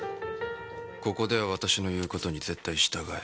ここでは私の言うことに絶対従え。